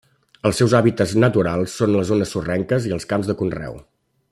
Els seus hàbitats naturals són les zones sorrenques i els camps de conreu.